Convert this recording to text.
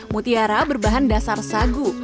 mutiara berbahan dasar sagu